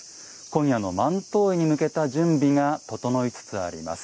今夜の万灯会に向けた準備が整いつつあります。